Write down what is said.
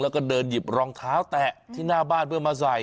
แล้วก็เดินหยิบรองเท้าแตะที่หน้าบ้านเพื่อมาใส่